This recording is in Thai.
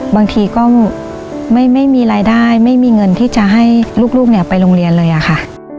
บางทีก็ไม่มีรายได้ไม่มีเงินที่จะให้ลูกไปโรงเรียนเลยอะค่ะ